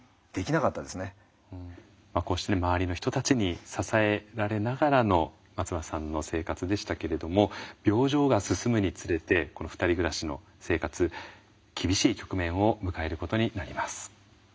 こうして周りの人たちに支えられながらの松村さんの生活でしたけれども病状が進むにつれてこの二人暮らしの生活厳しい局面を迎えることになります。